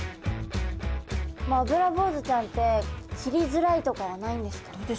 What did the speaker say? アブラボウズちゃんって切りづらいとかはないんですか？